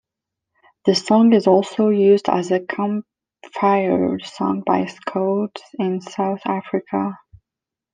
The song is also used as a campfire song by scouts in South Africa.